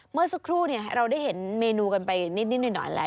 เมื่อสักครู่เราได้เห็นเมนูกันไปนิดหน่อยแหละ